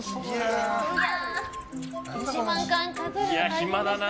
暇だなあ。